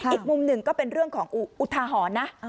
อีกมุมหนึ่งก็เป็นเรื่องของอุทาหรณ์นะ